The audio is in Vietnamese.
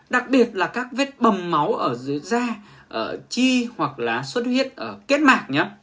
đặc biệt là các vết bầm máu ở dưới da chi hoặc là xuất huyết kết mạc nhé